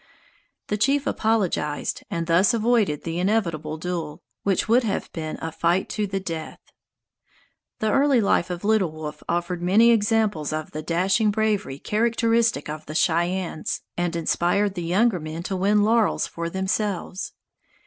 The chief apologized, and thus avoided the inevitable duel, which would have been a fight to the death. The early life of Little Wolf offered many examples of the dashing bravery characteristic of the Cheyennes, and inspired the younger men to win laurels for themselves.